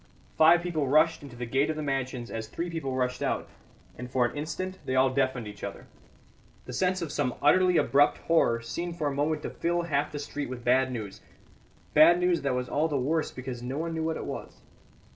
Five people rushed into the gate of the mansions as three people rushed out, and for an instant they all deafened each other. The sense of some utterly abrupt horror seemed for a moment to fill half the street with bad news bad news that was all the worse because no one knew what it was.